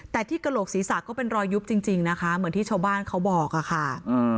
แต่ที่กระโหลกศีรษะก็เป็นรอยยุบจริงนะคะเหมือนที่ชาวบ้านเขาบอกอะค่ะ